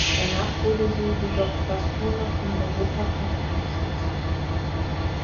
Danach wurde sie jedoch fast nur noch im Europacup eingesetzt.